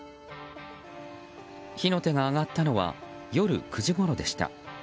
火の手が上がったのは夜９時ごろでした。